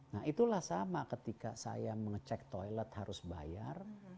nah itulah sama ketika saya mengecek toilet harus bayar